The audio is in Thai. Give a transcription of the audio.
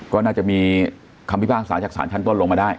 ก็น่าจะมีคำพิพากษาจากศาลชั้นต้นลงมาได้